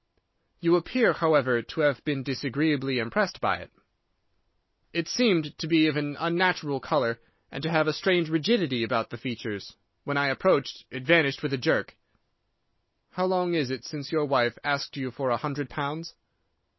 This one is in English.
"You appear, however, to have been disagreeably impressed by it." "It seemed to be of an unnatural colour, and to have a strange rigidity about the features. When I approached, it vanished with a jerk." "How long is it since your wife asked you for a hundred pounds?"